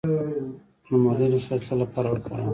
د مولی ریښه د څه لپاره وکاروم؟